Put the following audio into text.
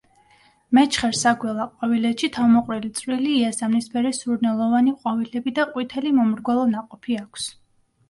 მეჩხერ საგველა ყვავილედში თავმოყრილი წვრილი იასამნისფერი სურნელოვანი ყვავილები და ყვითელი მომრგვალო ნაყოფი აქვს.